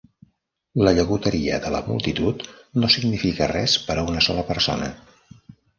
La llagoteria de la multitud no significa res per a una sola persona.